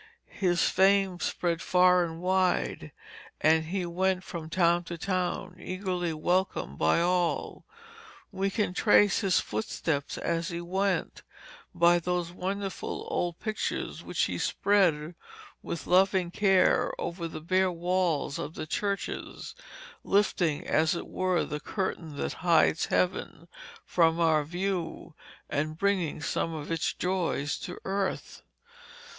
His fame spread far and wide, and he went from town to town eagerly welcomed by all. We can trace his footsteps as he went, by those wonderful old pictures which he spread with loving care over the bare walls of the churches, lifting, as it were, the curtain that hides Heaven from our view and bringing some of its joys to earth.